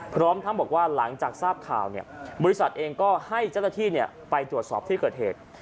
พร้อมทั้งบอกว่าหลังจากทราบข่าวบริษัทเองก็ให้เจ้าหน้าที่ไปตรวจสอบที่เกิดเหตุ